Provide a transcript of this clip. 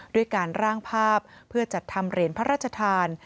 ด้วยการร่างภาพเพื่อจัดทำเหรียญพระราชทาน